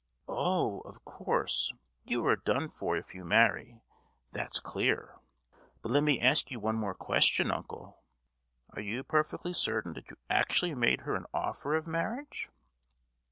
"Oh! of course, you are done for if you marry, that's clear. But let me ask you one more question, uncle. Are you perfectly certain that you actually made her an offer of marriage?"